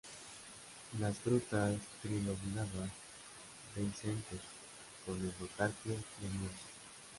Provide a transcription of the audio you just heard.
Las frutas trilobuladas, dehiscentes con endocarpio leñoso.